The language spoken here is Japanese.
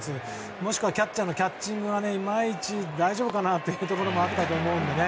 もしくはキャッチャーのキャッチングが大丈夫かなというところもあったと思うのでね。